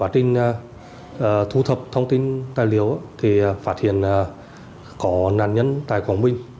tài liệu thì phát hiện có nạn nhân tại quảng bình